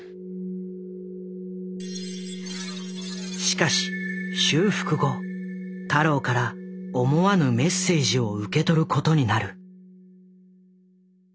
しかし修復後太郎から思わぬメッセージを受け取ることになる。